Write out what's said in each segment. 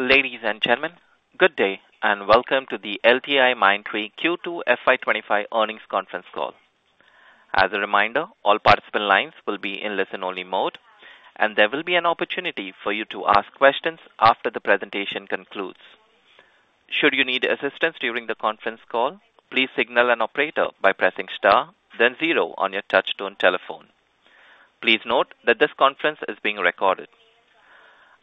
Ladies and gentlemen, good day, and welcome to the LTIMindtree Q2 FY twenty-five earnings conference call. As a reminder, all participant lines will be in listen-only mode, and there will be an opportunity for you to ask questions after the presentation concludes. Should you need assistance during the conference call, please signal an operator by pressing star, then zero on your touchtone telephone. Please note that this conference is being recorded.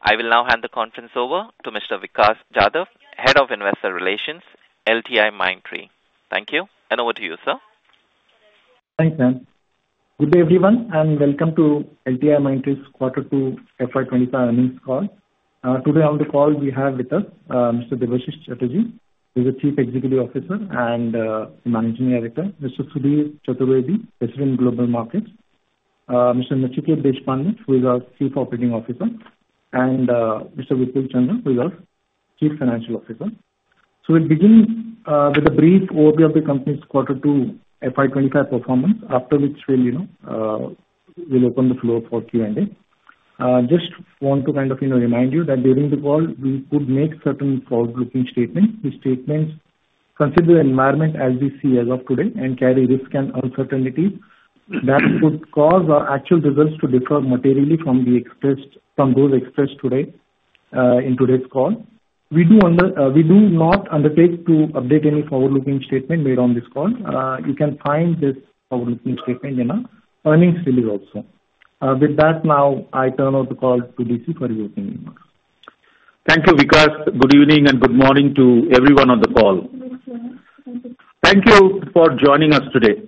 I will now hand the conference over to Mr. Vikas Jadhav, Head of Investor Relations, LTIMindtree. Thank you, and over to you, sir. Thanks, ma'am. Good day, everyone, and welcome to LTIMindtree's Quarter Two FY twenty-five earnings call. Today on the call we have with us Mr. Debashis Chatterjee, who is the Chief Executive Officer and Managing Director. Mr. Sudhir Chaturvedi, President, Global Markets. Mr. Nachiket Deshpande, who is our Chief Operating Officer. And Mr. Vipul Chandra, who is our Chief Financial Officer. So we'll begin with a brief overview of the company's Quarter Two FY twenty-five performance, after which we'll, you know, we'll open the floor for Q&A. Just want to kind of, you know, remind you that during the call, we could make certain forward-looking statements. These statements consider the environment as we see as of today and carry risk and uncertainty that could cause our actual results to differ materially from the expressed, from those expressed today in today's call. We do not undertake to update any forward-looking statement made on this call. You can find this forward-looking statement in our earnings release also. With that, now I turn over the call to DC for opening remarks. Thank you, Vikas. Good evening, and good morning to everyone on the call. Thank you for joining us today.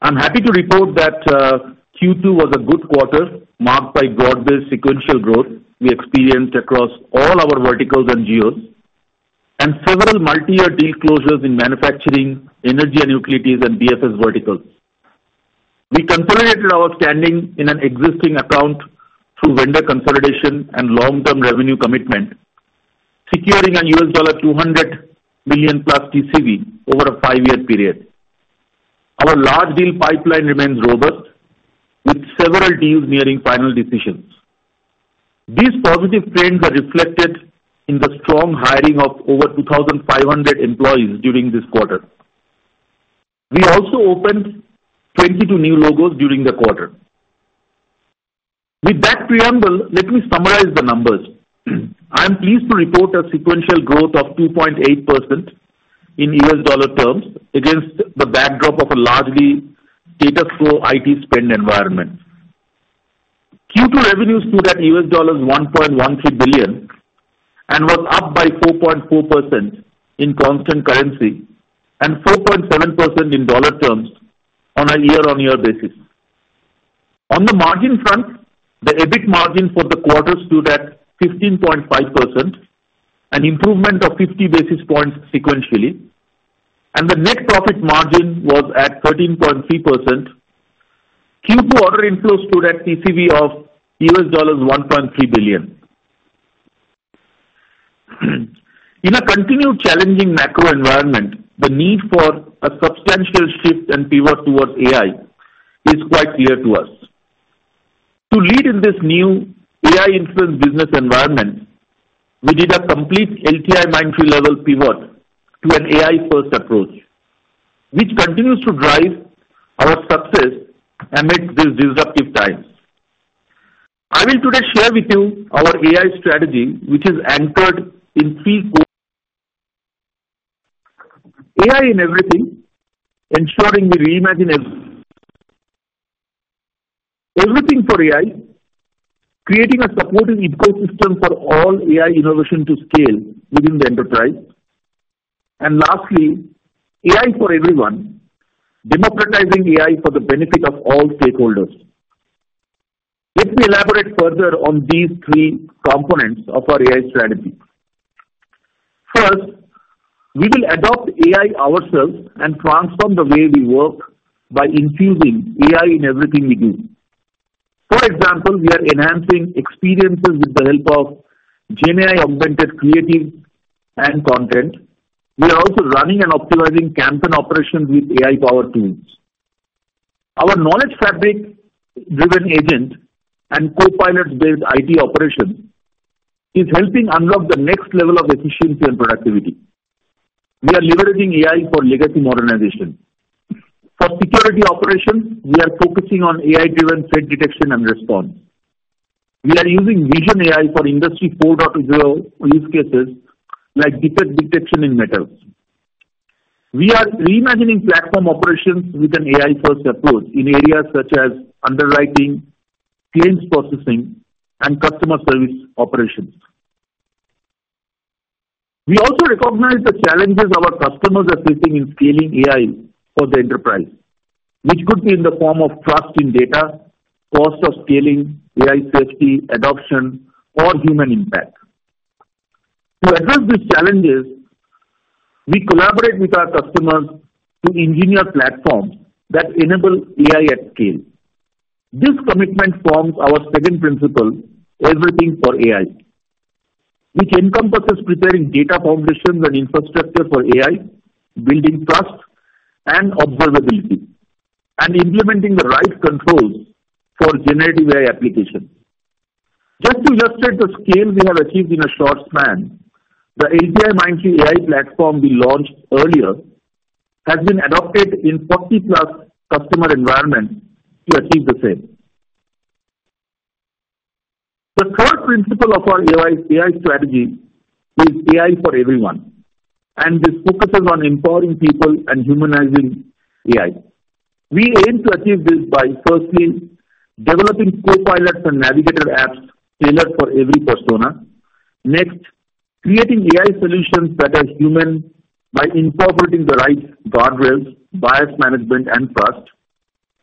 I'm happy to report that Q2 was a good quarter, marked by broad-based sequential growth we experienced across all our verticals and geos, and several multiyear deal closures in manufacturing, energy and utilities, and BFS verticals. We consolidated our standing in an existing account through vendor consolidation and long-term revenue commitment, securing a $200 million-plus TCV over a five-year period. Our large deal pipeline remains robust, with several deals nearing final decisions. These positive trends are reflected in the strong hiring of over 2,500 employees during this quarter. We also opened 22 new logos during the quarter. With that preamble, let me summarize the numbers. I'm pleased to report a sequential growth of 2.8% in US dollar terms against the backdrop of a largely data flow IT spend environment. Q2 revenues stood at $1.13 billion and was up by 4.4% in constant currency and 4.7% in dollar terms on a year-on-year basis. On the margin front, the EBIT margin for the quarter stood at 15.5%, an improvement of 50 basis points sequentially, and the net profit margin was at 13.3%. Q2 order inflows stood at TCV of $1.3 billion. In a continued challenging macro environment, the need for a substantial shift and pivot towards AI is quite clear to us. To lead in this new AI-influenced business environment, we did a complete LTIMindtree-level pivot to an AI-first approach, which continues to drive our success amid these disruptive times. I will today share with you our AI strategy, which is anchored in three core... AI in everything, ensuring we reimagine everything. Everything for AI, creating a supportive ecosystem for all AI innovation to scale within the enterprise, and lastly, AI for everyone, democratizing AI for the benefit of all stakeholders. Let me elaborate further on these three components of our AI strategy. First, we will adopt AI ourselves and transform the way we work by infusing AI in everything we do. For example, we are enhancing experiences with the help of GenAI-augmented creative and content. We are also running and optimizing campaign operations with AI-powered tools. Our knowledge fabric-driven agent and Copilots-based IT operation is helping unlock the next level of efficiency and productivity. We are leveraging AI for legacy modernization. For security operations, we are focusing on AI-driven threat detection and response. We are using Vision AI for Industry 4.0 use cases, like defect detection in metals. We are reimagining platform operations with an AI-first approach in areas such as underwriting, claims processing, and customer service operations. We also recognize the challenges our customers are facing in scaling AI for the enterprise, which could be in the form of trust in data, cost of scaling, AI safety, adoption, or human impact. To address these challenges, we collaborate with our customers to engineer platforms that enable AI at scale. This commitment forms our second principle, everything for AI, which encompasses preparing data foundations and infrastructure for AI, building trust and observability.... and implementing the right controls for generative AI applications. Just to illustrate the scale we have achieved in a short span, the LTIMindtree AI Platform we launched earlier has been adopted in 40-plus customer environments to achieve the same. The third principle of our AI strategy is AI for everyone, and this focuses on empowering people and humanizing AI. We aim to achieve this by firstly developing Copilots and Navigator apps tailored for every persona. Next, creating AI solutions that are human by incorporating the right guardrails, bias management, and trust.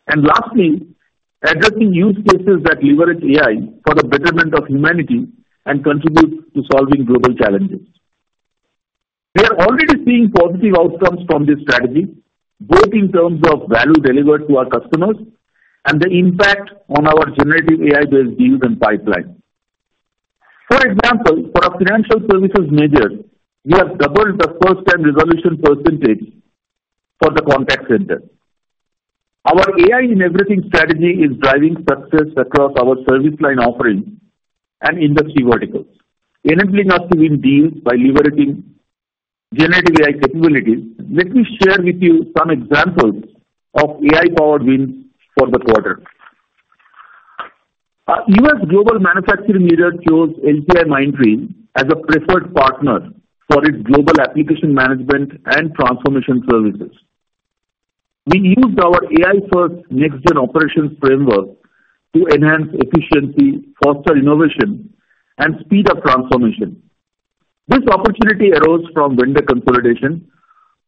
And lastly, addressing use cases that leverage AI for the betterment of humanity and contribute to solving global challenges. We are already seeing positive outcomes from this strategy, both in terms of value delivered to our customers and the impact on our generative AI-based deals and pipeline. For example, for a financial services major, we have doubled the first-time resolution percentage for the contact center. Our AI-in-everything strategy is driving success across our service line offerings and industry verticals, enabling us to win deals by leveraging generative AI capabilities. Let me share with you some examples of AI-powered wins for the quarter. U.S. global manufacturing leader chose LTIMindtree as a preferred partner for its global application management and transformation services. We used our AI-first next-gen operations framework to enhance efficiency, foster innovation, and speed up transformation. This opportunity arose from vendor consolidation,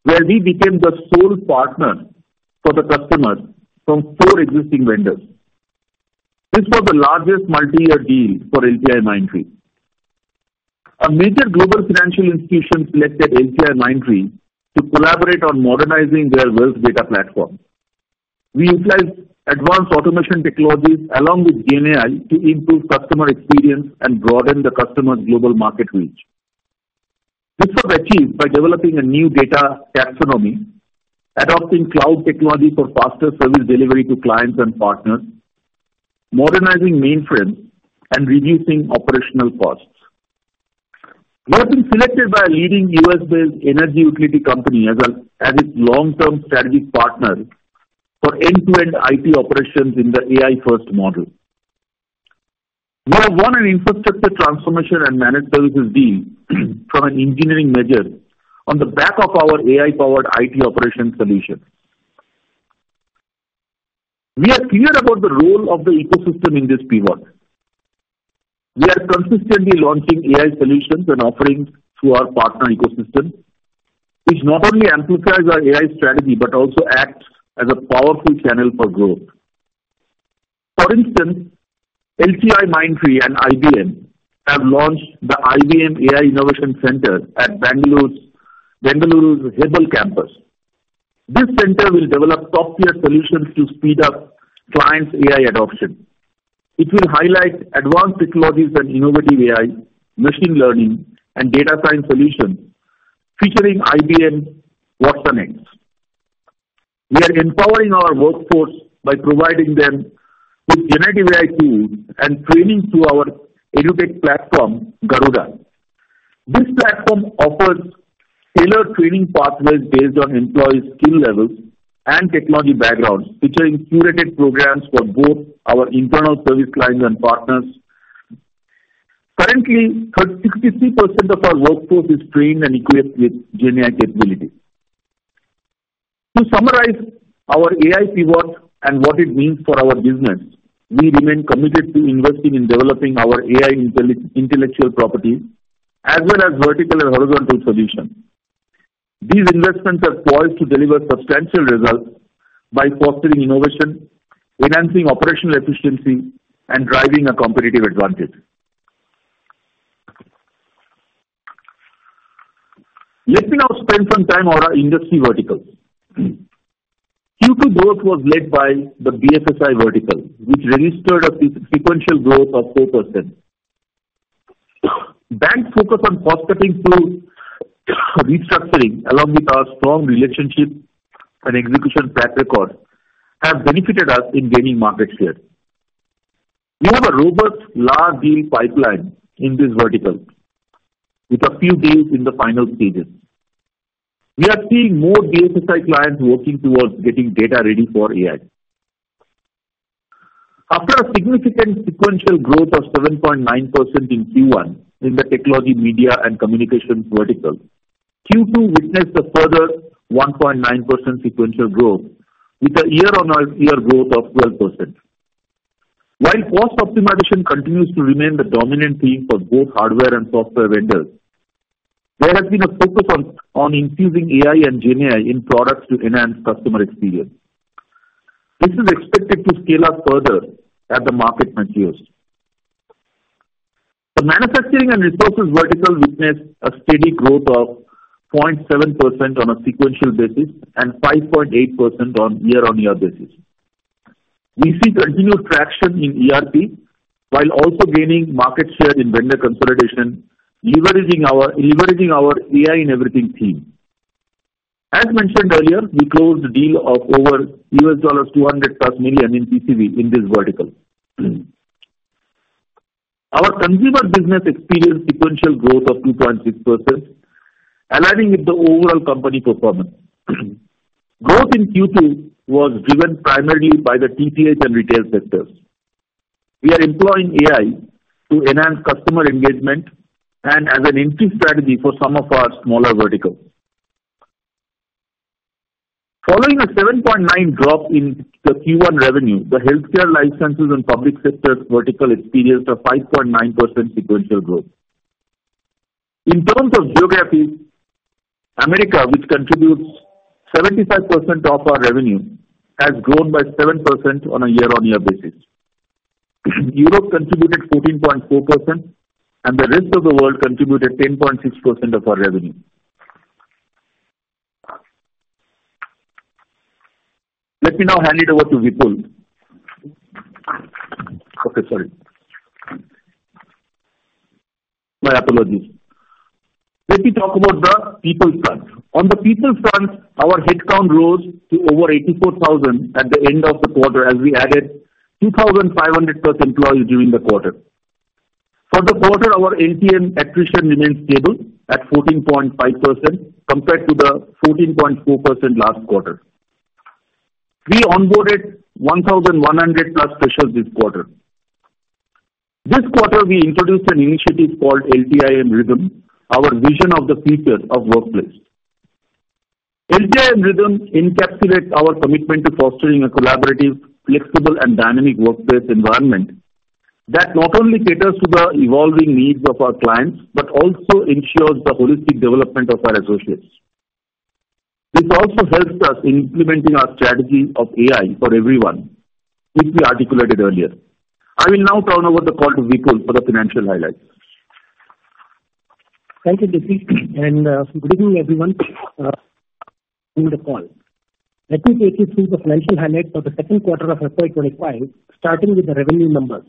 where we became the sole partner for the customer from four existing vendors. This was the largest multi-year deal for LTIMindtree. A major global financial institution selected LTIMindtree to collaborate on modernizing their wealth data platform. We utilized advanced automation technologies along with GenAI to improve customer experience and broaden the customer's global market reach. This was achieved by developing a new data taxonomy, adopting cloud technology for faster service delivery to clients and partners, modernizing mainframes, and reducing operational costs. We have been selected by a leading U.S.-based energy utility company as its long-term strategic partner for end-to-end IT operations in the AI-first model. We have won an infrastructure transformation and managed services deal from an engineering major on the back of our AI-powered IT operations solution. We are clear about the role of the ecosystem in this pivot. We are consistently launching AI solutions and offerings through our partner ecosystem, which not only amplifies our AI strategy, but also acts as a powerful channel for growth. For instance, LTIMindtree and IBM have launched the IBM AI Innovation Center at Bengaluru's Hebbal campus. This center will develop top-tier solutions to speed up clients' AI adoption. It will highlight advanced technologies and innovative AI, machine learning, and data science solutions, featuring IBM watsonx. We are empowering our workforce by providing them with generative AI tools and training through our educate platform, Garuda. This platform offers tailored training pathways based on employees' skill levels and technology backgrounds, featuring curated programs for both our internal service clients and partners. Currently, 63% of our workforce is trained and equipped with GenAI capabilities. To summarize our AI pivot and what it means for our business, we remain committed to investing in developing our AI intellectual property, as well as vertical and horizontal solutions. These investments are poised to deliver substantial results by fostering innovation, enhancing operational efficiency, and driving a competitive advantage. Let me now spend some time on our industry verticals. Q2 growth was led by the BFSI vertical, which registered a sequential growth of 4%. Banks' focus on cost-cutting through restructuring, along with our strong relationship and execution track record, have benefited us in gaining market share. We have a robust large deal pipeline in this vertical, with a few deals in the final stages. We are seeing more BFSI clients working towards getting data ready for AI. After a significant sequential growth of 7.9% in Q1 in the technology, media, and communications vertical, Q2 witnessed a further 1.9% sequential growth, with a year-on-year growth of 12%. While cost optimization continues to remain the dominant theme for both hardware and software vendors, there has been a focus on infusing AI and GenAI in products to enhance customer experience. This is expected to scale up further as the market matures. The manufacturing and resources vertical witnessed a steady growth of 0.7% on a sequential basis and 5.8% on year-on-year basis. We see continued traction in ERP, while also gaining market share in vendor consolidation, leveraging our AI in everything theme. As mentioned earlier, we closed a deal of over $200 million in TCV in this vertical. Our consumer business experienced sequential growth of 2.6%, aligning with the overall company performance. Growth in Q2 was driven primarily by the TTH and retail sectors. We are employing AI to enhance customer engagement and as an entry strategy for some of our smaller verticals. Following a 7.9 drop in the Q1 revenue, the healthcare life sciences and public sector vertical experienced a 5.9% sequential growth. In terms of geographies, Americas, which contributes 75% of our revenue, has grown by 7% on a year-on-year basis. Europe contributed 14.4%, and the rest of the world contributed 10.6% of our revenue. Let me now hand it over to Vipul. Okay, sorry. My apologies. Let me talk about the people front. On the people front, our headcount rose to over 84,000 at the end of the quarter, as we added 2,500 plus employees during the quarter. For the quarter, our LTM attrition remains stable at 14.5%, compared to the 14.4% last quarter. We onboarded 1,100+ freshers this quarter. This quarter, we introduced an initiative called LTIM Rhythm, our vision for the future of the workplace. LTIM Rhythm encapsulates our commitment to fostering a collaborative, flexible, and dynamic workplace environment that not only caters to the evolving needs of our clients, but also ensures the holistic development of our associates. This also helps us in implementing our strategy of AI for everyone, which we articulated earlier. I will now turn over the call to Vipul for the financial highlights. Thank you, DC, and good evening, everyone in the call. Let me take you through the financial highlights for the second quarter of FY 2025, starting with the revenue numbers.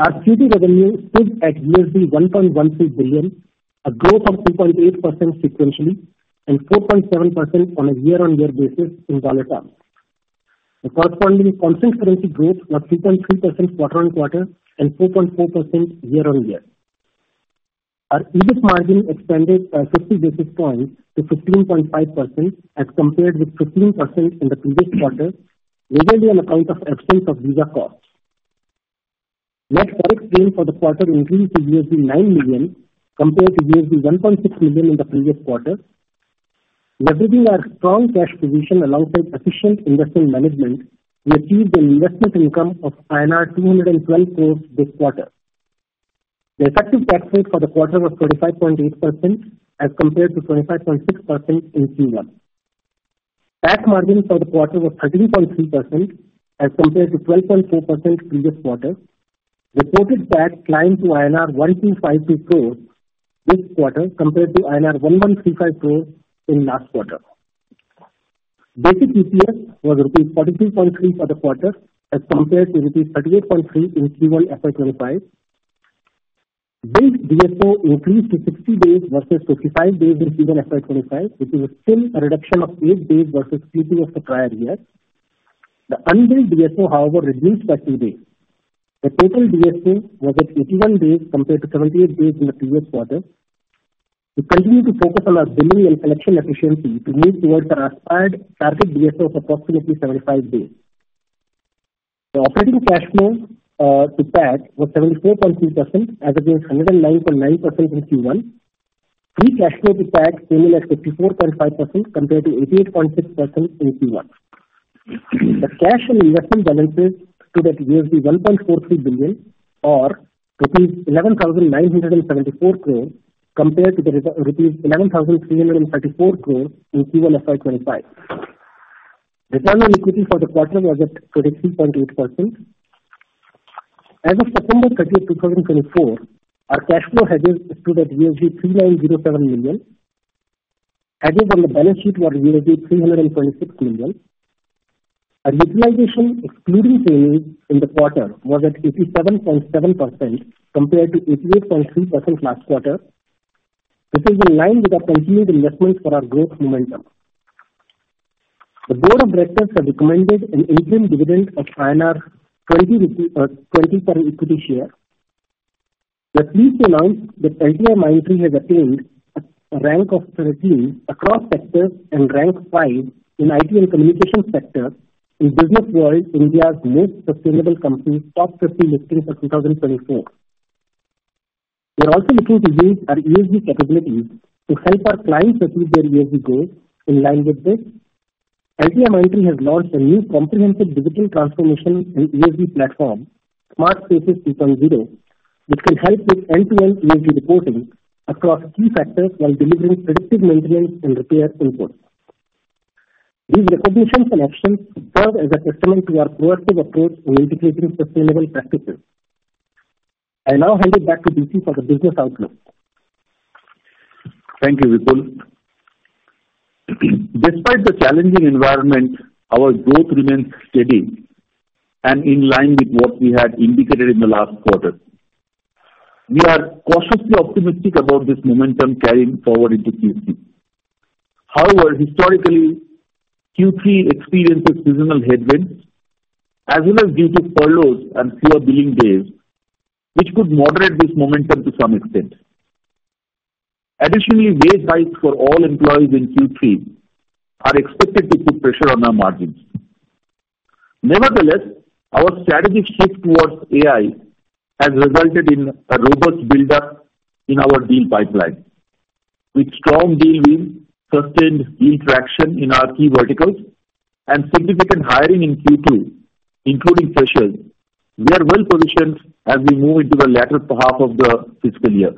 Our Q2 revenue stood at $1.16 billion, a growth of 2.8% sequentially and 4.7% on a year-on-year basis in dollar terms. The corresponding constant currency growth was 3.3% quarter-on-quarter and 4.4% year-on-year. Our EBIT margin expanded by 50 basis points to 15.5%, as compared with 15% in the previous quarter, mainly on account of absence of visa costs. Net foreign exchange for the quarter increased to $9 million, compared to $1.6 million in the previous quarter. Leveraging our strong cash position alongside efficient investment management, we achieved an investment income of 212 crores this quarter. The effective tax rate for the quarter was 25.8%, as compared to 25.6% in Q1. EBIT margin for the quarter was 13.3%, as compared to 12.4% previous quarter. Reported PAT climbed to INR 1,252 crores this quarter, compared to INR 1,135 crores in last quarter. Basic EPS was rupees 42.3 for the quarter, as compared to rupees 38.3 in Q1 FY 2025. Billed DSO increased to 60 days versus 55 days in Q1 FY 2025, which is still a reduction of eight days versus Q2 of the prior year. The unbilled DSO, however, reduced by three days. The total DSO was at 81 days compared to 78 days in the previous quarter. We continue to focus on our billing and collection efficiency to move towards our aspired target DSO of approximately 75 days. The operating cash flow to PAT was 74.3% as against 109.9% in Q1. Free cash flow to PAT came in at 54.5% compared to 88.6% in Q1. The cash and investment balances stood at $1.43 billion or rupees 11,974 crores, compared to the rupees 11,334 crores in Q1 FY twenty-five. Return on equity for the quarter was at 23.8%. As of September 30, 2024, our cash flow hedges stood at $390.7 million. Hedges on the balance sheet were $326 million. Our utilization, excluding sales, in the quarter was at 87.7%, compared to 88.3% last quarter, which is in line with our continued investments for our growth momentum. The board of directors have recommended an interim dividend of INR 20 per equity share. We're pleased to announce that LTIMindtree has attained a rank of 13 across sectors and rank 5 in IT and communications sector in Businessworld India's Most Sustainable Companies Top Fifty Listing for 2024. We're also looking to use our ESG capabilities to help our clients achieve their ESG goals. In line with this, LTIMindtree has launched a new comprehensive digital transformation and ESG platform, Smart Spaces 2.0, which can help with end-to-end ESG reporting across key factors while delivering predictive maintenance and repair inputs. These recognitions and actions serve as a testament to our proactive approach in integrating sustainable practices. I now hand it back to DC for the business outlook.... Thank you, Vipul. Despite the challenging environment, our growth remains steady and in line with what we had indicated in the last quarter. We are cautiously optimistic about this momentum carrying forward into Q3. However, historically, Q3 experiences seasonal headwinds, as well as due to furloughs and slower billing days, which could moderate this momentum to some extent. Additionally, wage hikes for all employees in Q3 are expected to put pressure on our margins. Nevertheless, our strategic shift towards AI has resulted in a robust build-up in our deal pipeline. With strong deal wins, sustained deal traction in our key verticals, and significant hiring in Q2, including freshers, we are well-positioned as we move into the latter half of the fiscal year.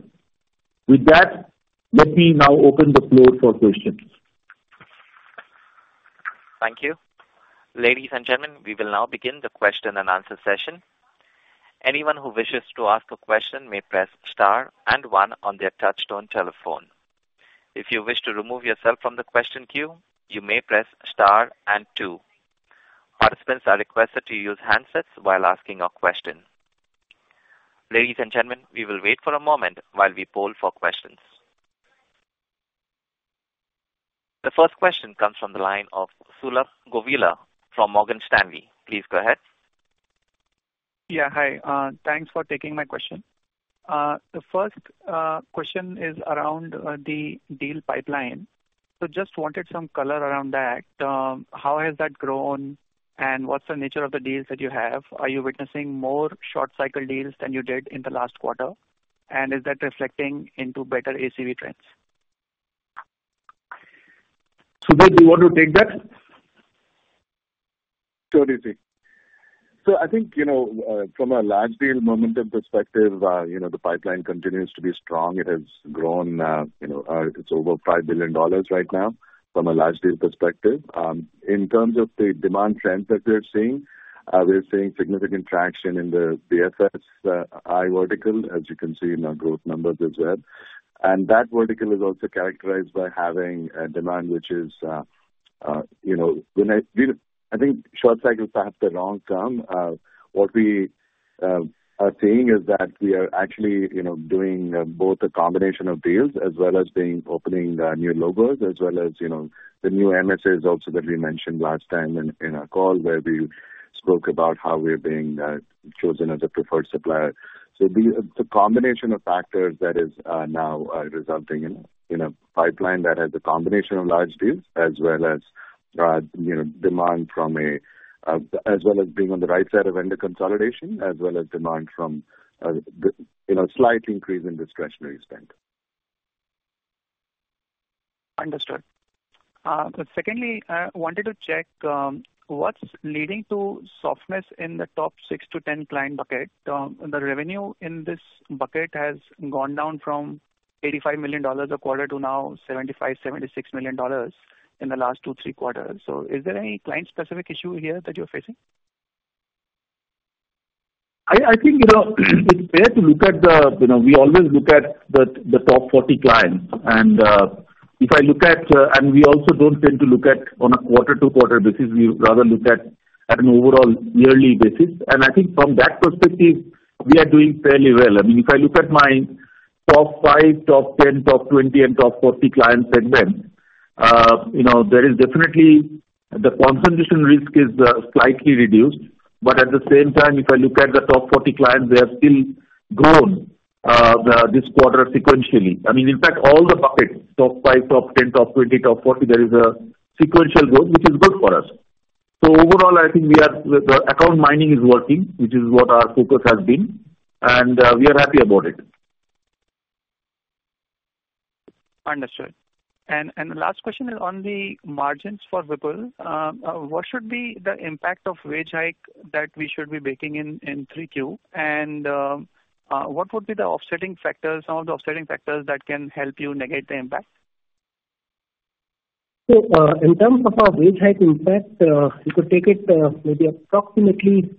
With that, let me now open the floor for questions. Thank you. Ladies and gentlemen, we will now begin the question and answer session. Anyone who wishes to ask a question may press star and one on their touchtone telephone. If you wish to remove yourself from the question queue, you may press star and two. Participants are requested to use handsets while asking a question. Ladies and gentlemen, we will wait for a moment while we poll for questions. The first question comes from the line of Sulabh Govila from Morgan Stanley. Please go ahead. Yeah, hi. Thanks for taking my question. The first question is around the deal pipeline. So just wanted some color around that. How has that grown, and what's the nature of the deals that you have? Are you witnessing more short cycle deals than you did in the last quarter, and is that reflecting into better ACV trends? Sudhir, do you want to take that? Sure, DC. So I think, you know, from a large deal momentum perspective, you know, the pipeline continues to be strong. It has grown, you know, it's over $5 billion right now from a large deal perspective. In terms of the demand trends that we are seeing, we are seeing significant traction in the BFSI vertical, as you can see in our growth numbers as well. And that vertical is also characterized by having a demand which is, you know, when we, I think short cycle is perhaps the wrong term. What we are seeing is that we are actually, you know, doing both a combination of deals as well as being opening new logos, as well as, you know, the new MSS also that we mentioned last time in our call, where we spoke about how we're being chosen as a preferred supplier. So the combination of factors that is now resulting in a pipeline that has a combination of large deals as well as, you know, demand from a... as well as being on the right side of vendor consolidation, as well as demand from the, you know, slight increase in discretionary spend. Understood. Secondly, I wanted to check what's leading to softness in the top six to 10 client bucket? The revenue in this bucket has gone down from $85 million a quarter to now $75-$76 million in the last two, three quarters. So is there any client-specific issue here that you're facing? I think, you know, it's fair to look at the, you know, we always look at the top 40 clients. And if I look at... And we also don't tend to look at on a quarter-to-quarter basis. We rather look at an overall yearly basis. And I think from that perspective, we are doing fairly well. I mean, if I look at my top five, top 10, top 20 and top 40 clients segment, you know, there is definitely the concentration risk is slightly reduced. But at the same time, if I look at the top 40 clients, they have still grown this quarter sequentially. I mean, in fact, all the buckets, top five, top 10, top 20, top 40, there is a sequential growth, which is good for us. So overall, I think we are, the account mining is working, which is what our focus has been, and we are happy about it. Understood. And the last question is on the margins for Vipul. What should be the impact of wage hike that we should be baking in, in 3Q? And what would be some of the offsetting factors that can help you negate the impact? So, in terms of our wage hike impact, you could take it, maybe approximately,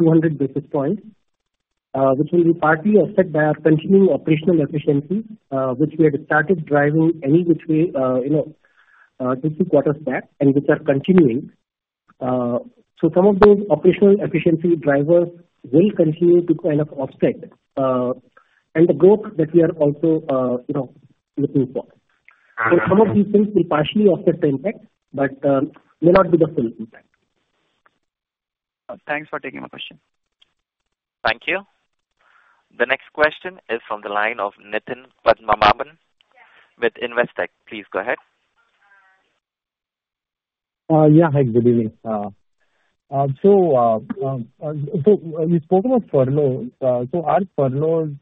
200 basis points, which will be partly offset by our continuing operational efficiency, which we had started driving any which way, you know, just two quarters back, and which are continuing. So some of those operational efficiency drivers will continue to kind of offset, and the growth that we are also, you know, looking for. Uh-huh. So some of these things will partially offset the impact, but may not be the full impact. Thanks for taking my question. Thank you. The next question is from the line of Nithin Padmanabhan with Investec. Please go ahead. Yeah. Hi, good evening. So you spoken of furloughs. So are furloughs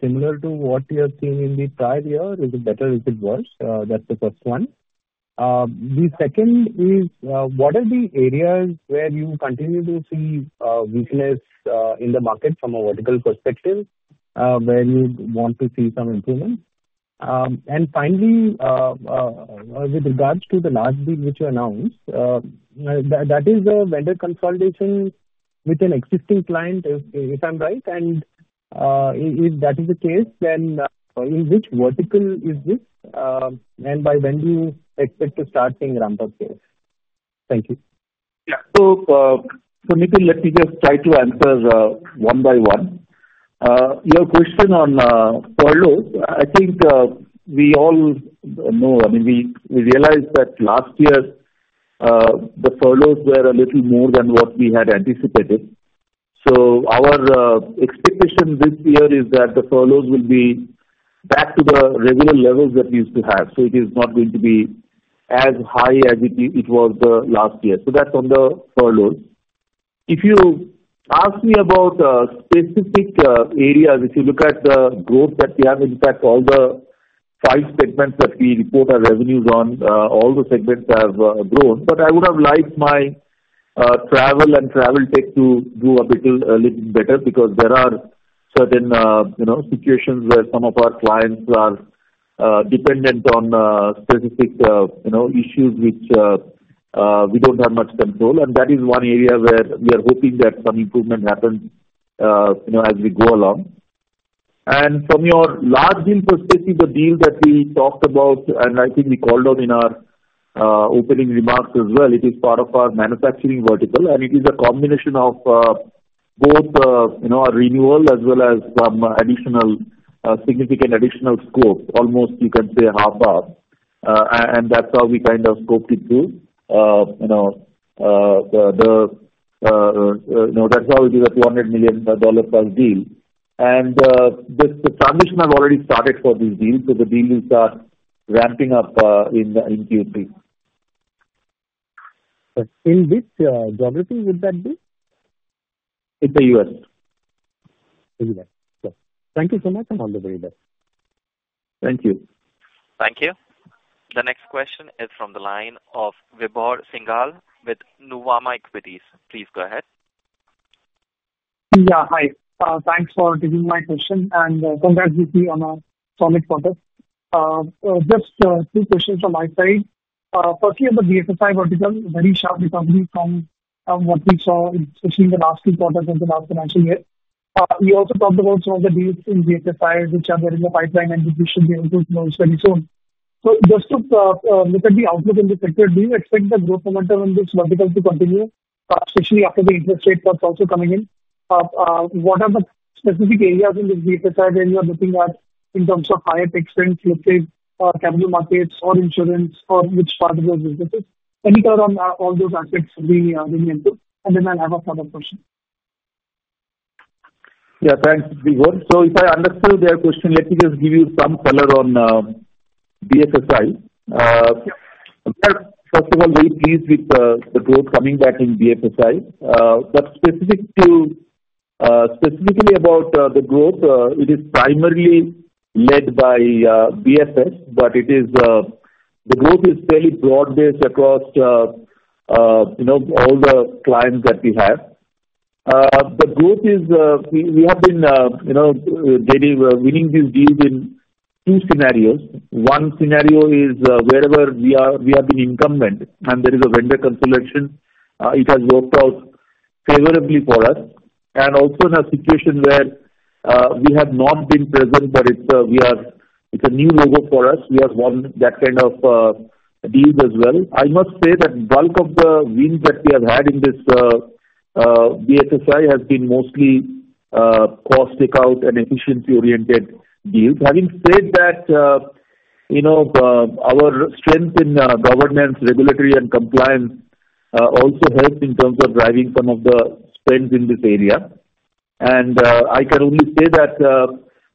similar to what you have seen in the prior year? Is it better? Is it worse? That's the first one. The second is, what are the areas where you continue to see weakness in the market from a vertical perspective, where you want to see some improvement? And finally, with regards to the large deal which you announced, that is a vendor consolidation with an existing client, if I'm right, and if that is the case, then in which vertical is this? And by when do you expect to start seeing ramp-up sales? Thank you. Yeah. So, so Nitin, let me just try to answer, one by one. Your question on, furloughs, I think, we all know, I mean, we realized that last year, the furloughs were a little more than what we had anticipated. So our, expectation this year is that the furloughs will be back to the regular levels that we used to have, so it is not going to be as high as it was the last year. So that's on the furloughs. If you ask me about, specific, areas, if you look at the growth that we have, in fact, all the five segments that we report our revenues on, all the segments have, grown. But I would have liked my travel and transportation to do a little better, because there are certain situations where some of our clients are dependent on specific issues, which we don't have much control. And that is one area where we are hoping that some improvement happens, you know, as we go along. And from your large deal perspective, the deal that we talked about, and I think we called out in our opening remarks as well, it is part of our manufacturing vertical, and it is a combination of both, you know, a renewal as well as some significant additional scope, almost you can say half or more. And that's how we kind of scoped it to, you know, the, you know, that's how it is a $200 million plus deal. And this, the transition has already started for this deal, so the deal will start ramping up in Q3. But in which geography would that be? It's the U.S. In the U.S. Yeah. Thank you so much, and all the very best. Thank you. Thank you. The next question is from the line of Vibhor Singhal with Nuvama Equities. Please go ahead. Yeah, hi. Thanks for taking my question, and, congrats, DC, on a solid quarter. Just two questions from my side. Firstly, on the BFSI vertical, very sharp recovery from what we saw especially in the last two quarters of the last financial year. You also talked about some of the deals in BFSI, which are there in the pipeline, and which we should be able to close very soon. So just to look at the outlook in the sector, do you expect the growth momentum in this vertical to continue, especially after the interest rate cuts also coming in? What are the specific areas in the BFSI where you are looking at in terms of higher expense, let's say, capital markets or insurance, or which part of the businesses? Any color on all those aspects we are looking into, and then I'll have a follow-up question? Yeah, thanks, Vibhor, so if I understood the question, let me just give you some color on BFSI. First of all, very pleased with the growth coming back in BFSI. But specifically about the growth, it is primarily led by BFS, but the growth is fairly broad-based across you know all the clients that we have. The growth is we have been you know really winning these deals in two scenarios. One scenario is wherever we are we have been incumbent and there is a vendor consolidation it has worked out favorably for us, and also in a situation where we have not been present, but it's a new logo for us. We have won that kind of deals as well. I must say that bulk of the wins that we have had in this BFSI has been mostly cost take-out and efficiency-oriented deals. Having said that, you know, our strength in governance, regulatory and compliance also helped in terms of driving some of the spends in this area. And I can only say that,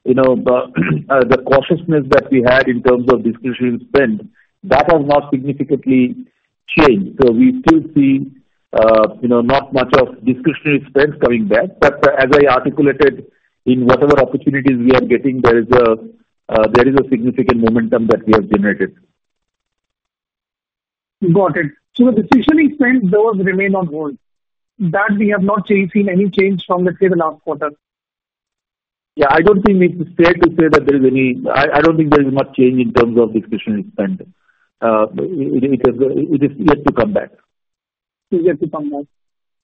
you know, the cautiousness that we had in terms of discretionary spend, that has not significantly changed. So we still see, you know, not much of discretionary spends coming back, but as I articulated, in whatever opportunities we are getting, there is a significant momentum that we have generated. Got it. So the decisioning spends, those remain on hold, that we have not seen any change from, let's say, the last quarter? Yeah, I don't think we need to say that there is any... I don't think there is much change in terms of discretionary spend. It is yet to come back. It's yet to come back.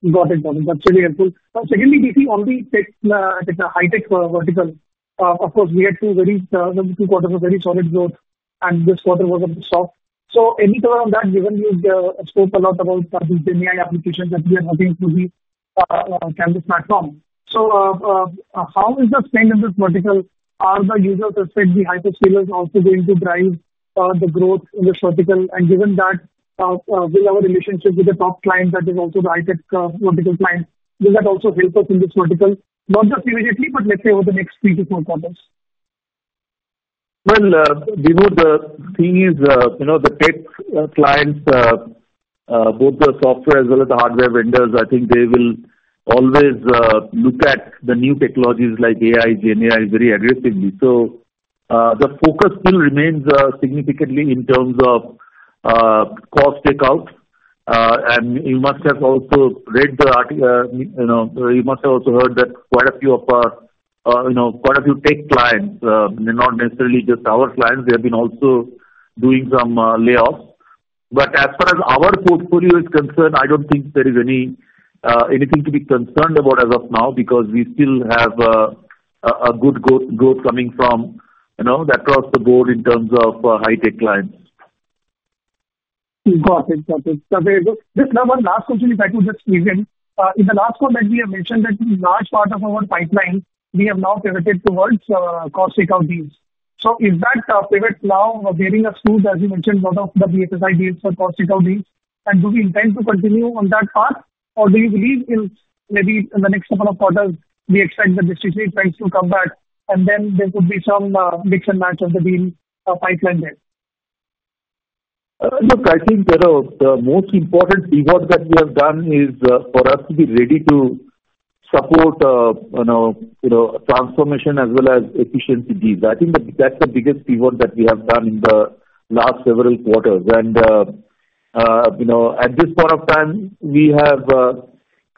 Got it. Got it. That's really helpful. Secondly, we see on the tech, tech, high-tech vertical, of course, we had two very, two quarters of very solid growth, and this quarter was a bit soft. So any thought on that, given we've spoke a lot about GenAI applications that we are having through the Canvas platform. So, how is the spend in this vertical? Are the users expect the hyperscalers also going to drive the growth in this vertical? And given that, with our relationship with the top client that is also the high-tech vertical client, will that also help us in this vertical? Not just immediately, but let's say over the next three to four quarters. Vibhor, the thing is, you know, the tech clients, both the software as well as the hardware vendors, I think they will always look at the new technologies like AI, GenAI, very aggressively. So, the focus still remains significantly in terms of cost takeouts. And you must have also heard that quite a few of our, you know, tech clients, not necessarily just our clients, they have been also doing some layoffs. But as far as our portfolio is concerned, I don't think there is anything to be concerned about as of now, because we still have a good growth coming from, you know, across the board in terms of high-tech clients. Got it. Got it. So this now, one last question, if I could just raise it. In the last call that we have mentioned that a large part of our pipeline, we have now pivoted towards, cost takeout deals. So is that, pivot now giving us clues, as you mentioned, lot of the BFSI deals for cost takeout deals, and do we intend to continue on that path? Or do you believe in maybe in the next couple of quarters, we expect the discretionary spends to come back, and then there could be some, mix and match of the deal, pipeline there? Look, I think, Parag, the most important pivot that we have done is for us to be ready to support you know transformation as well as efficiency deals. I think that, that's the biggest pivot that we have done in the last several quarters. And you know, at this point of time, we have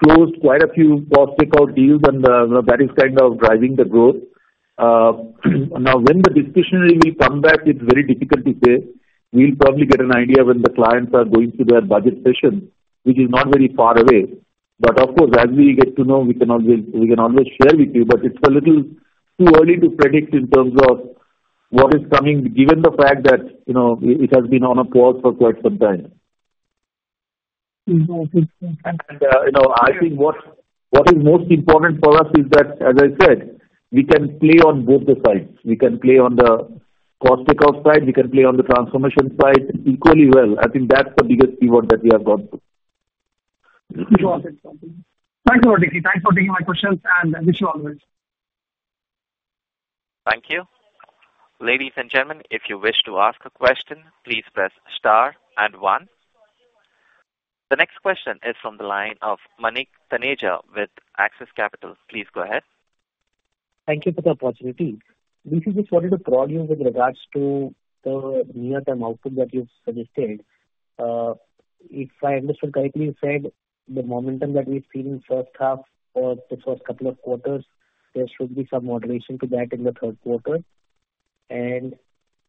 closed quite a few cost takeout deals, and you know, that is kind of driving the growth. Now when the discretionary will come back, it's very difficult to say. We'll probably get an idea when the clients are going through their budget session, which is not very far away. But of course, as we get to know, we can always share with you, but it's a little too early to predict in terms of what is coming, given the fact that, you know, it has been on a pause for quite some time. Mm-hmm. Okay. And, you know, I think what is most important for us is that, as I said, we can play on both the sides. We can play on the cost takeout side, we can play on the transformation side equally well. I think that's the biggest keyword that we have got. Got it. Thank you, ADK. Thanks for taking my questions, and I wish you all the best. Thank you. Ladies and gentlemen, if you wish to ask a question, please press star and one. The next question is from the line of Manik Taneja with Axis Capital. Please go ahead. Thank you for the opportunity. We just wanted to prod you with regards to the near-term outlook that you've suggested. If I understood correctly, you said the momentum that we've seen in first half or the first couple of quarters, there should be some moderation to that in the third quarter. And,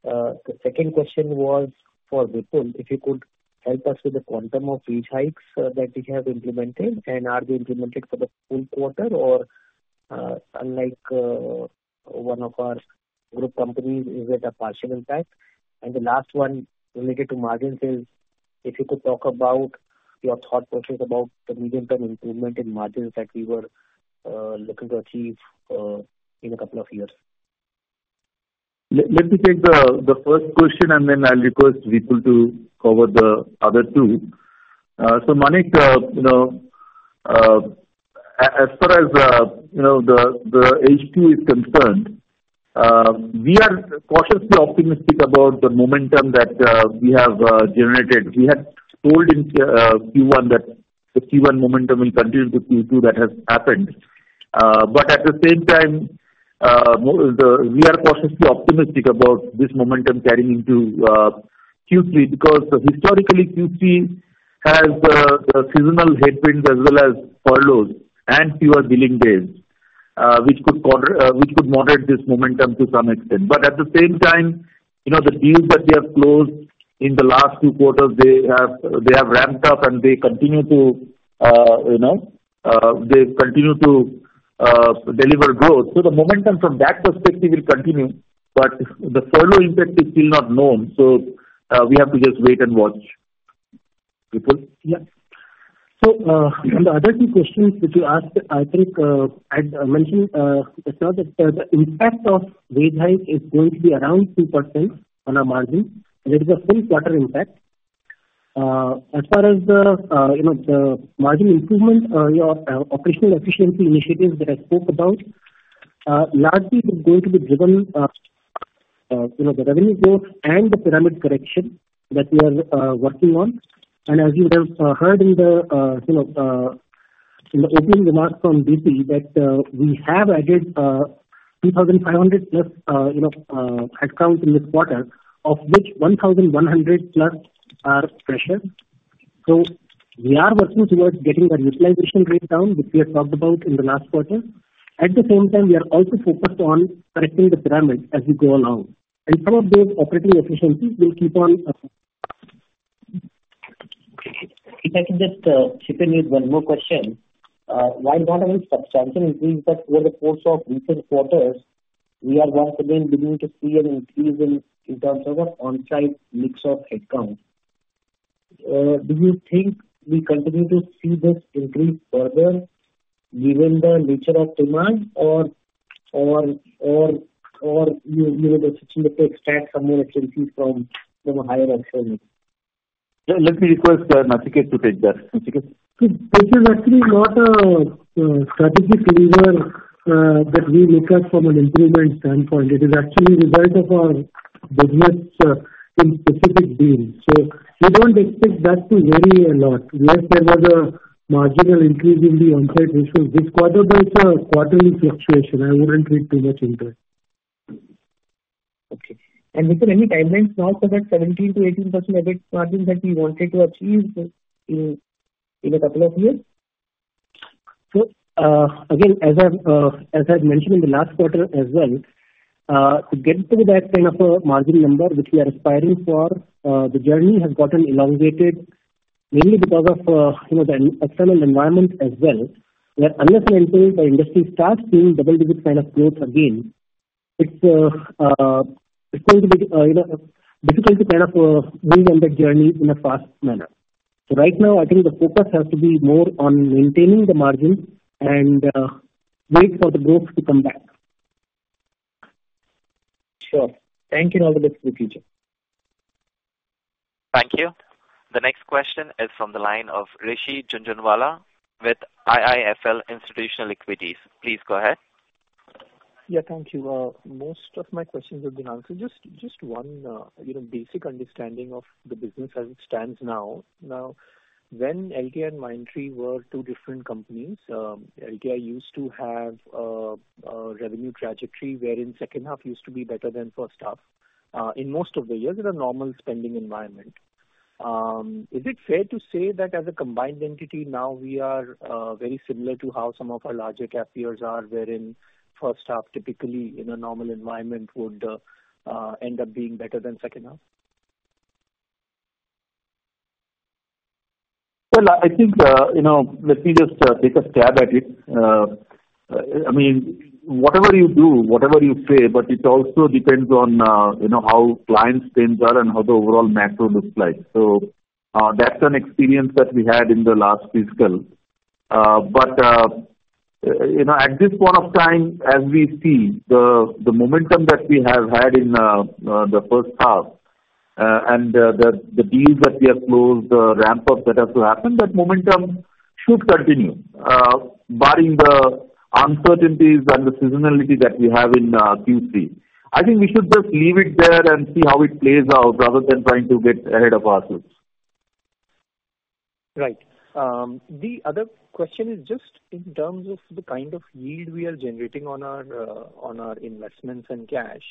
the second question was for Vipul. If you could help us with the quantum of fee hikes, that you have implemented, and are they implemented for the full quarter, or, unlike, one of our group companies, is it a partial impact? And the last one related to margins is, if you could talk about your thought process about the medium-term improvement in margins that we were, looking to achieve, in a couple of years. Let me take the first question and then I'll request Vipul to cover the other two. So Manik, you know, as far as, you know, the H2 is concerned, we are cautiously optimistic about the momentum that we have generated. We had told in Q1 that the Q1 momentum will continue to Q2, that has happened. But at the same time, we are cautiously optimistic about this momentum carrying into Q3. Because historically, Q3 has a seasonal headwind as well as furloughs and fewer billing days, which could moderate this momentum to some extent. But at the same time, you know, the deals that we have closed in the last two quarters, they have ramped up and they continue to, you know, deliver growth. So the momentum from that perspective will continue, but the furlough impact is still not known. So, we have to just wait and watch. Vipul? Yeah. So, the other two questions that you asked, I think, I'd mentioned earlier that the impact of wage hike is going to be around 2% on our margin, and it is a full quarter impact. As far as the, you know, the margin improvement, your operational efficiency initiatives that I spoke about largely is going to be driven, you know, the revenue growth and the pyramid correction that we are working on, and as you would have heard in the, you know, in the opening remarks from VC, that we have added 2,500-plus, you know, headcounts in this quarter, of which 1,100-plus are freshers. So we are working towards getting that utilization rate down, which we had talked about in the last quarter. At the same time, we are also focused on correcting the pyramid as we go along, and some of those operating efficiencies will keep on coming. If I could just chip in with one more question. While not only substantial, it means that over the course of recent quarters, we are once again beginning to see an increase in terms of the on-site mix of headcount. Do you think we continue to see this increase further given the nature of demand or you know, the decision to extract some more efficiencies from the higher end? Let me request, Nachiket to take that. Nachiket? So this is actually not a strategic flavor that we look at from an improvement standpoint. It is actually result of our business in specific deals. So we don't expect that to vary a lot, unless there is a marginal increase in the on-site issue. This quarter there is a quarterly fluctuation. I wouldn't read too much into it. Okay. And is there any timelines now for that 17%-18% margin that we wanted to achieve in a couple of years?... So, again, as I've mentioned in the last quarter as well, to get to that kind of a margin number which we are aspiring for, the journey has gotten elongated mainly because of, you know, the external environment as well, where unless and until the industry starts seeing double-digit kind of growth again, it's going to be, you know, difficult to kind of move on that journey in a fast manner. So right now, I think the focus has to be more on maintaining the margin and wait for the growth to come back. Sure. Thank you and all the best for the future. Thank you. The next question is from the line of Rishi Jhunjhunwala with IIFL Institutional Equities. Please go ahead. Yeah. Thank you. Most of my questions have been answered. Just one, you know, basic understanding of the business as it stands now. Now, when LTI and Mindtree were two different companies, LTI used to have a revenue trajectory, wherein second half used to be better than first half in most of the years in a normal spending environment. Is it fair to say that as a combined entity now we are very similar to how some of our larger peers are, wherein first half, typically in a normal environment, would end up being better than second half? I think, you know, let me just take a stab at it. I mean, whatever you do, whatever you say, but it also depends on, you know, how clients' trends are and how the overall macro looks like. So, that's an experience that we had in the last fiscal. But, you know, at this point of time, as we see the momentum that we have had in the first half, and the deals that we have closed, the ramp up that has to happen, that momentum should continue. Barring the uncertainties and the seasonality that we have in Q3, I think we should just leave it there and see how it plays out, rather than trying to get ahead of ourselves. Right. The other question is just in terms of the kind of yield we are generating on our investments and cash.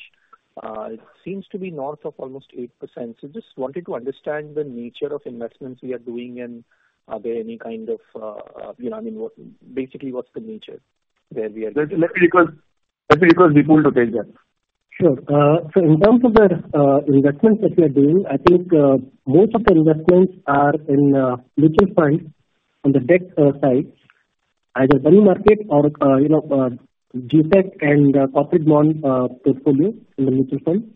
It seems to be north of almost 8%. So just wanted to understand the nature of investments we are doing, and are there any kind of, you know, I mean, basically, what's the nature where we are? Let me request Vipul to take that. Sure, so in terms of the investments that we are doing, I think most of the investments are in mutual funds on the debt side, either money market or you know G-sec and corporate bond portfolio in the mutual fund.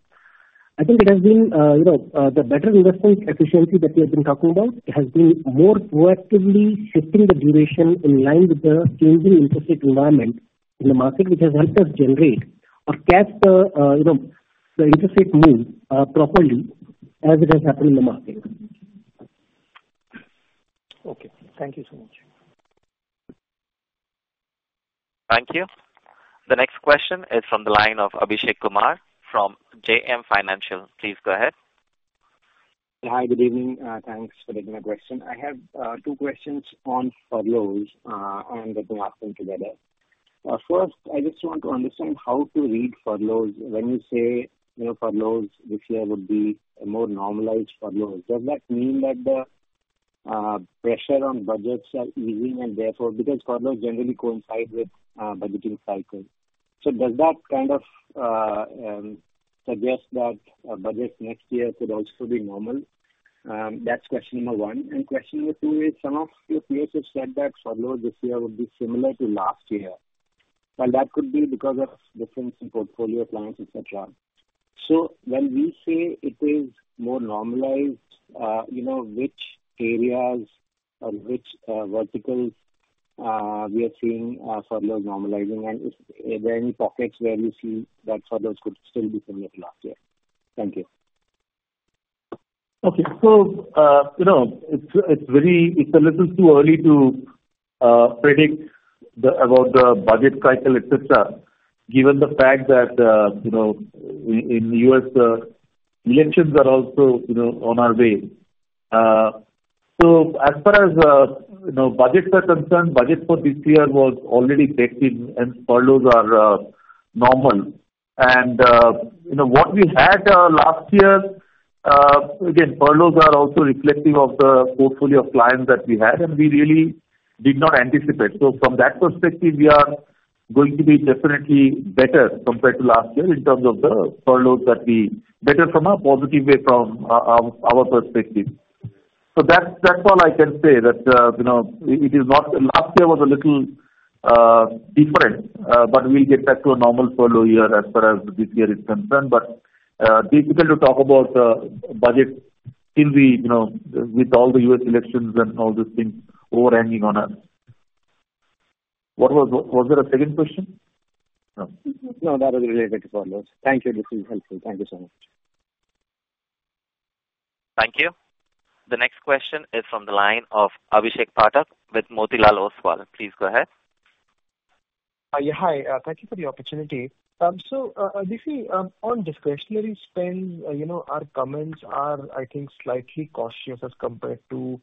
I think it has been you know the better investment efficiency that we have been talking about. It has been more proactively shifting the duration in line with the changing interest rate environment in the market, which has helped us generate or catch the you know the interest rate move properly as it has happened in the market. Okay. Thank you so much. Thank you. The next question is from the line of Abhishek Kumar from JM Financial. Please go ahead. Hi, good evening. Thanks for taking my question. I have, two questions on furloughs, and let me ask them together. First, I just want to understand how to read furloughs. When you say, you know, furloughs this year would be a more normalized furloughs, does that mean that the, pressure on budgets are easing, and therefore because furloughs generally coincide with, budgeting cycles? So does that kind of, suggest that, budgets next year could also be normal? That's question number one. And question number two is, some of your peers have said that furloughs this year would be similar to last year, and that could be because of difference in portfolio plans, et cetera. So when we say it is more normalized, you know, which areas or which, verticals, we are seeing, furloughs normalizing? Are there any pockets where you see that furloughs could still be similar to last year? Thank you. Okay. So, you know, it's a little too early to predict about the budget cycle, et cetera, given the fact that, you know, in the U.S., elections are also, you know, on our way. So as far as, you know, budgets are concerned, budget for this year was already taken, and furloughs are normal. And, you know, what we had last year, again, furloughs are also reflective of the portfolio of clients that we had, and we really did not anticipate. So from that perspective, we are going to be definitely better compared to last year in terms of the furloughs that we... Better from a positive way from our perspective. So that's all I can say, that you know, it is not- last year was a little different, but we'll get back to a normal furlough year as far as this year is concerned. But difficult to talk about budget till we, you know, with all the U.S. elections and all those things overhanging on us. What was there a second question? No, that was related to furloughs. Thank you. This is helpful. Thank you so much. Thank you. The next question is from the line of Abhishek Pathak with Motilal Oswal. Please go ahead. Yeah. Hi, thank you for the opportunity. So, obviously, on discretionary spend, you know, our comments are, I think, slightly cautious as compared to,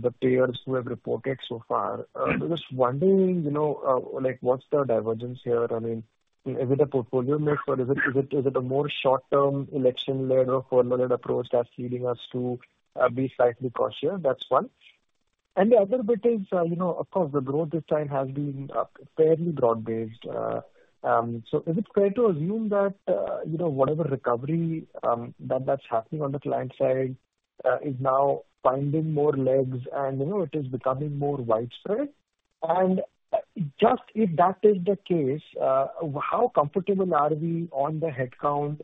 the peers who have reported so far. Just wondering, you know, like, what's the divergence here? I mean, is it a portfolio mix, or is it a more short-term election-led or furlough-led approach that's leading us to, be slightly cautious? That's one. And the other bit is, you know, of course, the growth this time has been, fairly broad-based. So is it fair to assume that, you know, whatever recovery, that that's happening on the client side, is now finding more legs and, you know, it is becoming more widespread? And, just if that is the case, how comfortable are we on the headcount?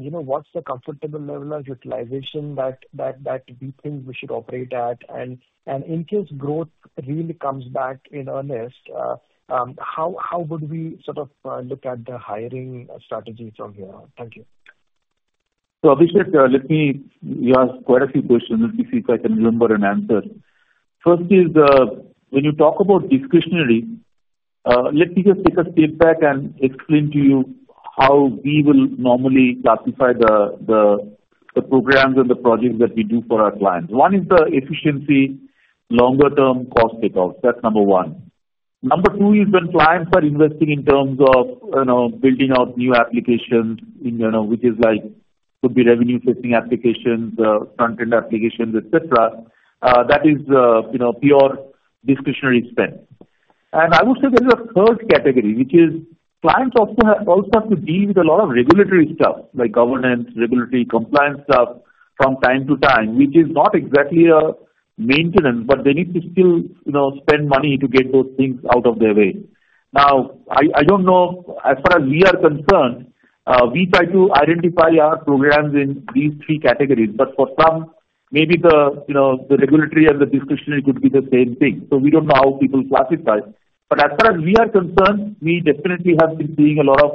You know, what's the comfortable level of utilization that we think we should operate at? And in case growth really comes back in earnest, how would we sort of look at the hiring strategies from here? Thank you. So, Abhishek, let me. You asked quite a few questions. Let me see if I can remember and answer. First is, when you talk about discretionary, let me just take a step back and explain to you how we will normally classify the programs and the projects that we do for our clients. One is the efficiency, longer-term cost takeout. That's number one. Number two is when clients are investing in terms of, you know, building out new applications in, you know, which is like could be revenue-facing applications, front-end applications, et cetera, that is, you know, pure discretionary spend. And I would say there is a third category, which is clients also have to deal with a lot of regulatory stuff, like governance, regulatory, compliance stuff from time to time, which is not exactly a maintenance, but they need to still, you know, spend money to get those things out of their way. Now, I don't know, as far as we are concerned, we try to identify our programs in these three categories, but for some, maybe the, you know, the regulatory and the discretionary could be the same thing. So we don't know how people classify. But as far as we are concerned, we definitely have been seeing a lot of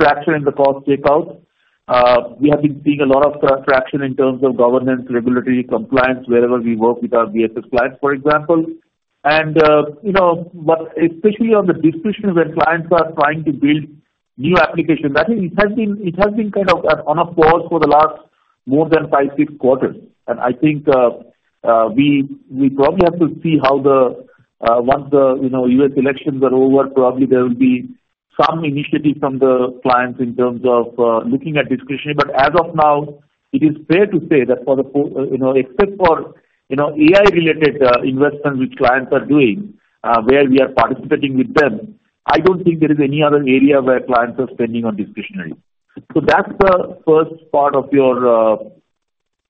traction in the cost takeout. We have been seeing a lot of traction in terms of governance, regulatory, compliance wherever we work with our BFS clients, for example. You know, but especially on the discretionary, where clients are trying to build new applications, I think it has been kind of on a pause for the last more than five, six quarters. I think we probably have to see how the. Once the, you know, US elections are over, probably there will be some initiative from the clients in terms of looking at discretionary. But as of now, it is fair to say that, you know, except for, you know, AI-related investments which clients are doing, where we are participating with them, I don't think there is any other area where clients are spending on discretionary. So that's the first part of your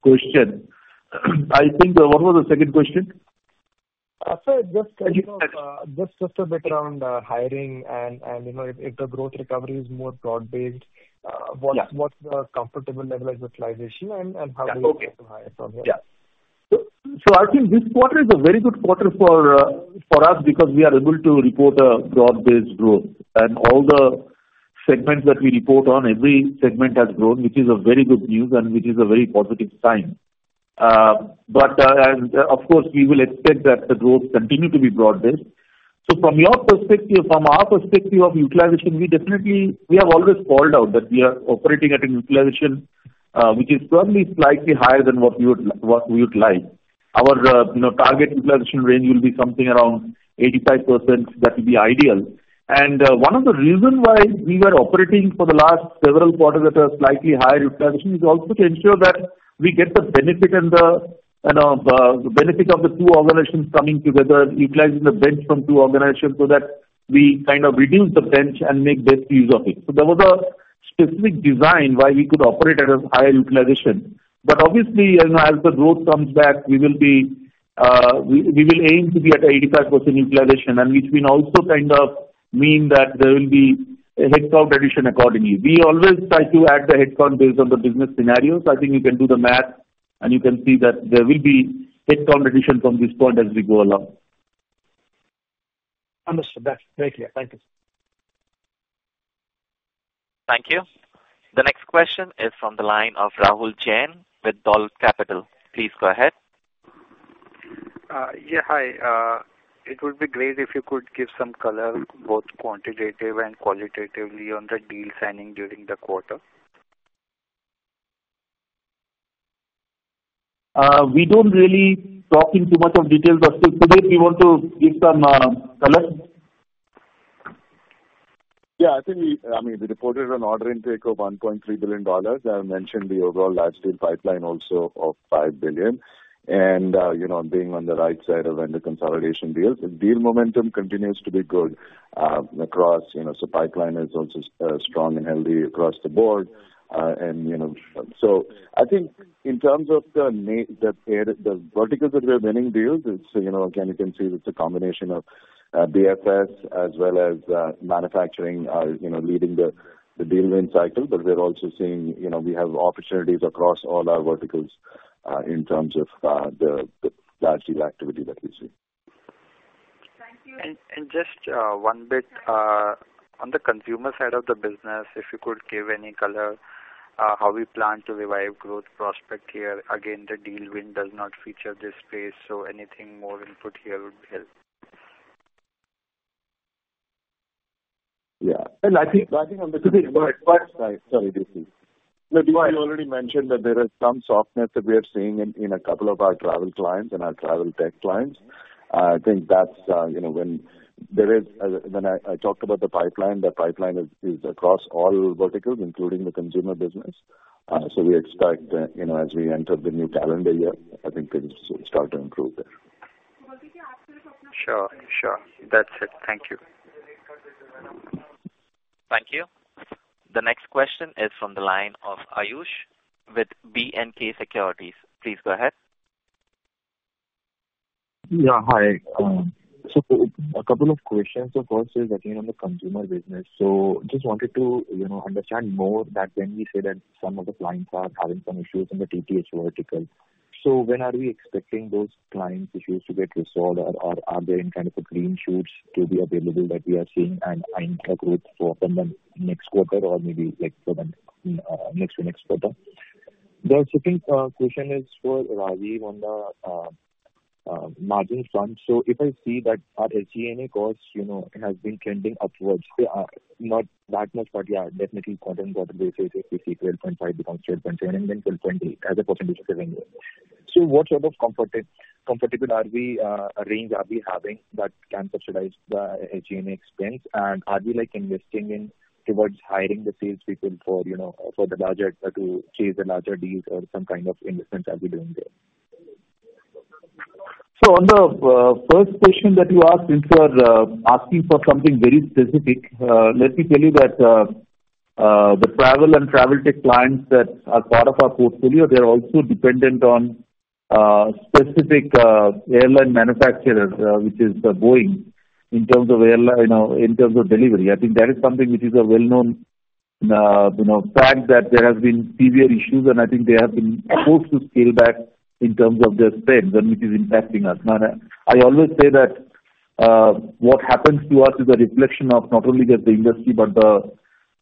question. I think what was the second question? Sir, just you know, just a bit around hiring and you know, if the growth recovery is more broad-based. Yeah. What's the comfortable level of utilization, and how do we? Yeah. Okay. -from here? Yeah. I think this quarter is a very good quarter for us because we are able to report a broad-based growth. And all the segments that we report on, every segment has grown, which is a very good news and which is a very positive sign. But we will expect that the growth continue to be broad-based. So from your perspective, from our perspective of utilization, we have always called out that we are operating at an utilization which is currently slightly higher than what we would like. Our you know target utilization range will be something around 85%. That will be ideal. One of the reasons why we were operating for the last several quarters at a slightly higher utilization is also to ensure that we get the benefit, you know, of the two organizations coming together, utilizing the bench from two organizations so that we kind of reduce the bench and make best use of it. So there was a specific design why we could operate at a higher utilization. Obviously, you know, as the growth comes back, we will aim to be at 85% utilization, which will also kind of mean that there will be a headcount addition accordingly. We always try to add the headcount based on the business scenario, so I think you can do the math, and you can see that there will be headcount addition from this point as we go along. Understood. That's very clear. Thank you. Thank you. The next question is from the line of Rahul Jain with Dolat Capital. Please go ahead. Yeah. Hi. It would be great if you could give some color, both quantitative and qualitatively, on the deal signing during the quarter. We don't really talk in too much of details, but, Sudhir, do you want to give some color? Yeah, I think we- I mean, we reported an order intake of $1.3 billion. I mentioned the overall large deal pipeline also of $5 billion. And, you know, being on the right side of consolidation deals, the deal momentum continues to be good, across. You know, so pipeline is also, strong and healthy across the board. And, you know, so I think in terms of the the verticals that we're winning deals, it's, you know, again, you can see that the combination of, BFS as well as, manufacturing are, you know, leading the, the deal win cycle, but we're also seeing, you know, we have opportunities across all our verticals, in terms of, the, the large deal activity that we see. Thank you. Just one bit on the consumer side of the business, if you could give any color how we plan to revive growth prospect here. Again, the deal win does not feature this space, so anything more input here would help. Yeah. And I think on this- Sorry. Sorry, DC. No, you already mentioned that there is some softness that we are seeing in a couple of our travel clients and our travel tech clients. I think that's, you know, when there is... When I talked about the pipeline, the pipeline is across all verticals, including the consumer business. So we expect, you know, as we enter the new calendar year, I think things will start to improve there. Sure, sure. That's it. Thank you.... Thank you. The next question is from the line of Aayush with B&K Securities. Please go ahead. Yeah. Hi. So a couple of questions. So first is, again, on the consumer business. So just wanted to, you know, understand more that when we say that some of the clients are having some issues in the TTH vertical. So when are we expecting those client issues to get resolved, or are there any kind of a green shoots to be available that we are seeing next quarter or maybe, like, for the next-to-next quarter? The second question is for Rajeev on the margin front. So if I see that our SG&A costs, you know, has been trending upwards, not that much, but yeah, definitely more than what the basic 80, 12.5 becomes 10 point and then till 20 as a percentage of revenue. So what sort of comfort level are we having that can subsidize the SG&A expense? And are we, like, investing towards hiring the sales people for, you know, to chase the larger deals or some kind of investment are we doing there? So on the first question that you asked, since you are asking for something very specific, let me tell you that the travel and travel tech clients that are part of our portfolio, they're also dependent on specific airline manufacturers which is Boeing, in terms of delivery. I think that is something which is a well-known you know fact, that there have been severe issues, and I think they have been forced to scale back in terms of their spend, and which is impacting us. And I always say that what happens to us is a reflection of not only the industry, but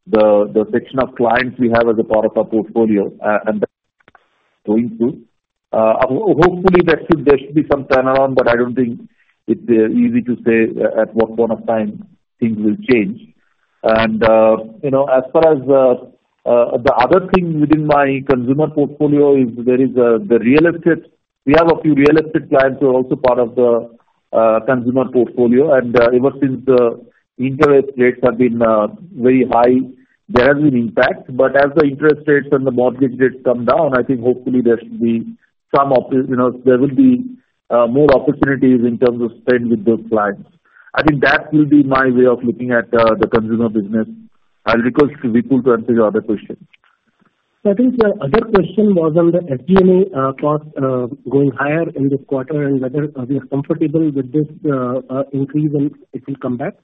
the section of clients we have as a part of our portfolio and the going through. Hopefully there should be some turnaround, but I don't think it's easy to say at what point of time things will change, and you know, as far as the other thing within my consumer portfolio is, there is the real estate. We have a few real estate clients who are also part of the consumer portfolio, and ever since the interest rates have been very high, there has been impact, but as the interest rates and the mortgage rates come down, I think hopefully there should be some, you know, there will be more opportunities in terms of spend with those clients. I think that will be my way of looking at the consumer business. I'll request Vipul to answer the other question. I think the other question was on the SG&A costs going higher in this quarter and whether we are comfortable with this increase and it will come back.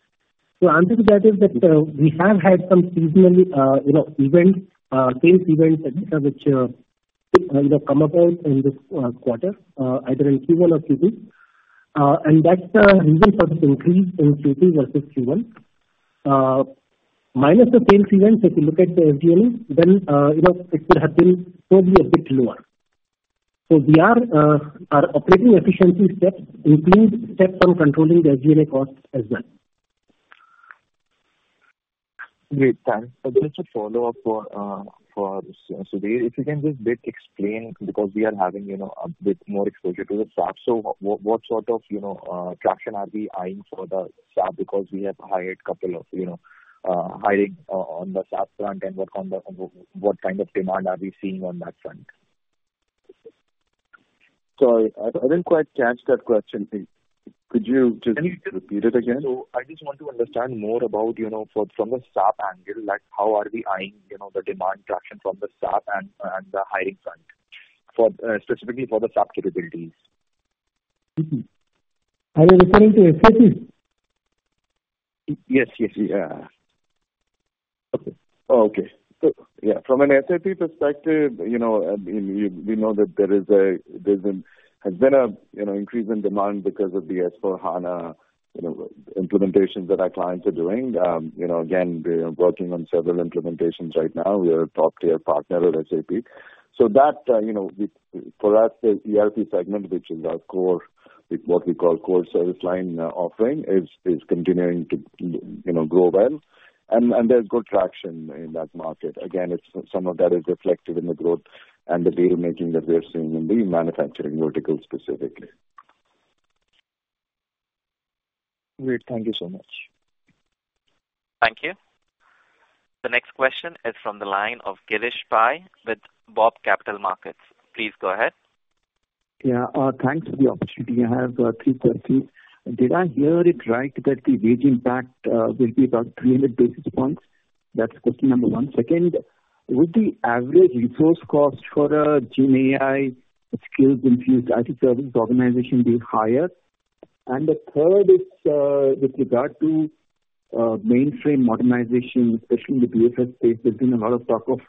So answer to that is that we have had some seasonally you know event case events which have come about in this quarter either in Q1 or Q2. And that's the reason for this increase in Q2 versus Q1. Minus the tail events, if you look at the SG&A, then you know it could have been probably a bit lower. So we are our operating efficiency steps increased stepped on controlling the SG&A costs as well. Great, thanks. So just a follow-up for Sudhir. If you can just a bit explain, because we are having, you know, a bit more exposure to the SAP. So what sort of, you know, traction are we eyeing for the SAP? Because we have hired a couple of, you know, hiring on the SAP front, and what kind of demand are we seeing on that front? Sorry, I didn't quite catch that question. Could you just repeat it again? So I just want to understand more about, you know, from the SAP angle, like, how are we eyeing, you know, the demand traction from the SAP and the hiring front for specifically for the SAP capabilities? Mm-hmm. Are you referring to SAP? Yes, yes, yeah. Okay. Oh, okay. So, yeah, from an SAP perspective, you know, we know that there's been a, you know, increase in demand because of the S/4HANA, you know, implementations that our clients are doing. You know, again, we are working on several implementations right now. We are a top-tier partner at SAP. So that, you know, for us, the ERP segment, which is our core, what we call core service line offering, is continuing to, you know, grow well, and there's good traction in that market. Again, it's some of that is reflected in the growth and the deal making that we are seeing in the manufacturing vertical specifically. Great. Thank you so much. Thank you. The next question is from the line of Girish Pai with BOB Capital Markets. Please go ahead. Yeah, thanks for the opportunity. I have three questions. Did I hear it right, that the wage impact will be about three hundred basis points? That's question number one. Second, would the average resource cost for a GenAI skills infused IT services organization be higher? And the third is, with regard to mainframe modernization, especially the BFSI space, there's been a lot of talk of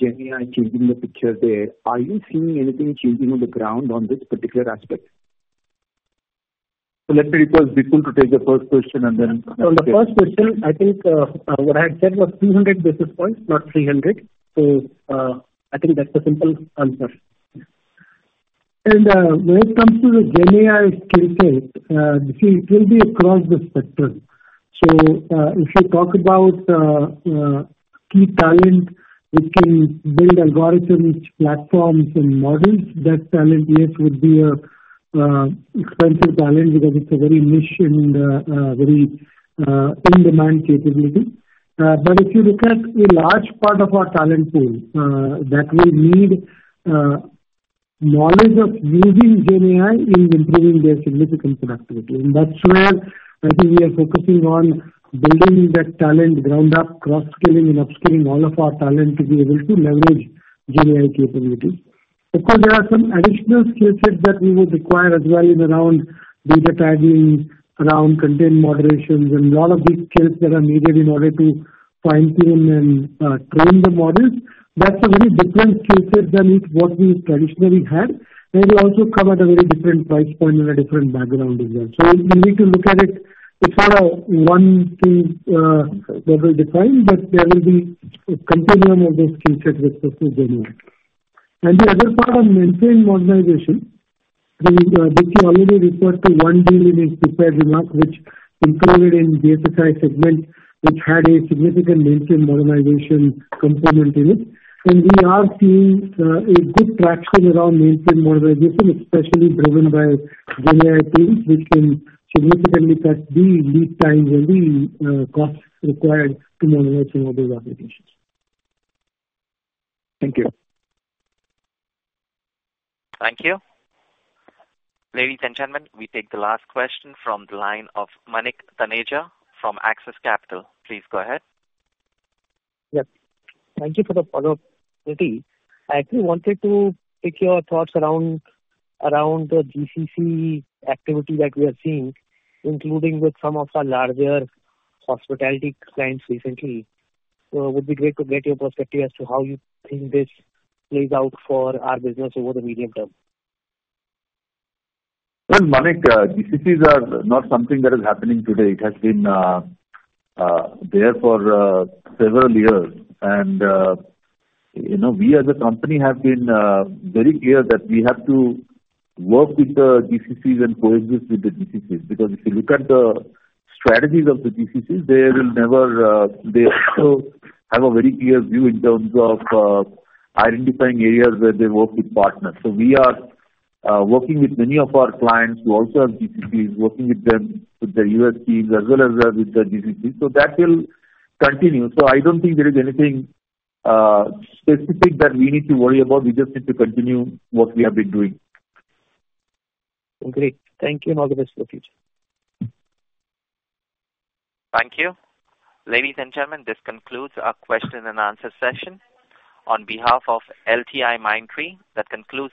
GenAI changing the picture there. Are you seeing anything changing on the ground on this particular aspect? So, let me request Vipul to take the first question, and then- So the first question, I think, what I had said was 200 hundred basis points, not three hundred. So, I think that's a simple answer. And, when it comes to the GenAI skill set, see, it will be across the spectrum. So, if you talk about key talent, which can build algorithms, platforms and models, that talent, yes, would be a expensive talent because it's a very niche and very in-demand capability. But if you look at a large part of our talent pool, that will need knowledge of using GenAI in improving their significant productivity. And that's where I think we are focusing on building that talent ground up, cross-skilling and upskilling all of our talent to be able to leverage GenAI capabilities. Of course, there are some additional skill sets that we will require as well in around data tagging, around content moderations, and lot of these skills that are needed in order to fine-tune and train the models. That's a very different skill set than it, what we traditionally had, and they also come at a very different price point and a different background as well. So we need to look at it. It's not a one thing that will define, but there will be a continuum of those skill sets with respect to GenAI. And the other part on mainframe modernization, the Bikky already referred to one billion in prepared remarks, which included in the FSI segment, which had a significant mainframe modernization component in it. We are seeing a good traction around mainframe modernization, especially driven by GenAI teams, which can significantly cut the lead times and the costs required to modernize some of these applications. Thank you. Thank you. Ladies and gentlemen, we take the last question from the line of Manik Taneja from Axis Capital. Please go ahead. Yes. Thank you for the follow-up, Nithin. I actually wanted to take your thoughts around the GCC activity that we are seeing, including with some of our larger hospitality clients recently. So it would be great to get your perspective as to how you think this plays out for our business over the medium term. Well, Manik, GCCs are not something that is happening today. It has been there for several years. And, you know, we as a company have been very clear that we have to work with the GCCs and coexist with the GCCs. Because if you look at the strategies of the GCCs, they will never, they also have a very clear view in terms of identifying areas where they work with partners. So we are working with many of our clients who also have GCCs, working with them, with their U.S. teams as well as with the GCCs. So that will continue. So I don't think there is anything specific that we need to worry about. We just need to continue what we have been doing. Okay, thank you, and all the best for the future. Thank you. Ladies and gentlemen, this concludes our question-and-answer session. On behalf of LTIMindtree, that concludes today's-